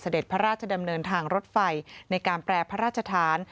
พระราชดำเนินทางรถไฟในการแปรพระราชฐาน